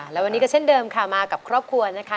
และวันนี้ก็เช่นเดิมค่ะมากับครอบครัวนะคะ